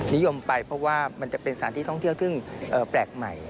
นิยมไปเพราะว่ามันจะเป็นสถานที่ท่องเที่ยวที่แปลกใหม่